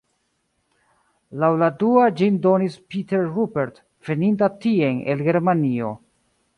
Laŭ la dua ĝin donis "Peter Rupert" veninta tien el Germanio.